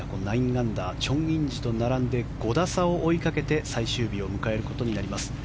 アンダーチョン・インジと並んで５打差を追いかけて最終日を迎えることになります。